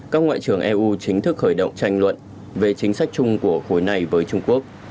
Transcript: các ngoại trưởng eu chính thức khởi động tranh luận về chính sách chung của khối này với trung quốc